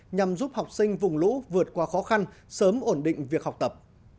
nhằm giúp học sinh vùng lũ vượt qua khó khăn sớm ổn định việc học tập